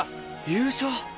優勝。